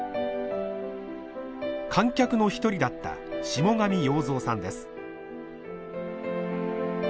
観客の一人だった下神洋造さんです。